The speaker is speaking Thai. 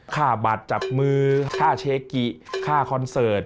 ค่าบัตรจับมือค่าเชกิค่าคอนเสิร์ต